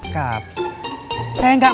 sampai ke akhir